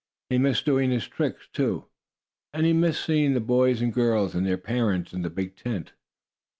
He missed doing his tricks, too, and he missed seeing the boys and girls and their parents, in the big tent.